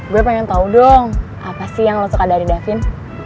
gue pengen tau dong apa sih yang lo suka dari davin